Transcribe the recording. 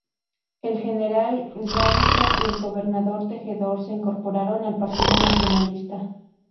El general Gainza y el gobernador Tejedor se incorporaron al Partido Nacionalista.